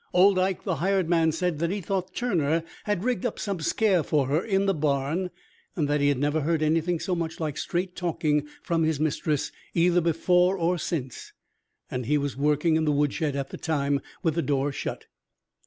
Old Ike, the hired man, said that he thought Turner had rigged up some scare for her in the barn and that he had never heard anything so much like straight talking from his mistress, either before or since, and he was working in the woodshed at the time, with the door shut.